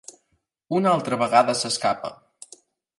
Una altra vegada s'escapa.